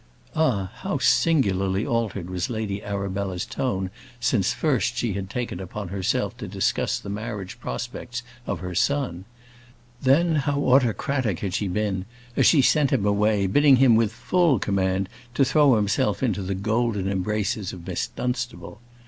Ah! how singularly altered was Lady Arabella's tone since first she had taken upon herself to discuss the marriage prospects of her son! Then how autocratic had she been as she sent him away, bidding him, with full command, to throw himself into the golden embraces of Miss Dunstable!